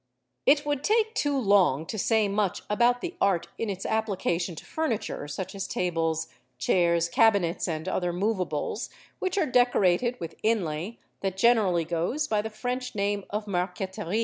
It would take too long to say much about the art in its application to furniture, such as tables, chairs, cabinets, and other movables, which are decorated with inlay that generally goes by the French name of marqueterie.